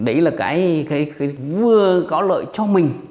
đấy là cái vừa có lợi cho mình